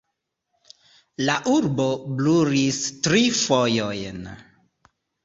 La urbo brulis tri fojojn.